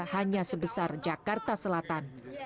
hanya sebesar jakarta selatan